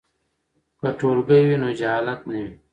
که ټولګی وي نو جهالت نه وي.